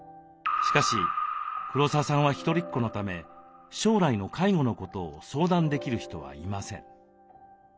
しかし黒沢さんはひとりっ子のため将来の介護のことを相談できる人はいません。